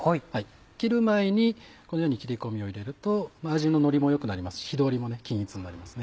切る前にこのように切り込みを入れると味ののりも良くなりますし火通りも均一になります。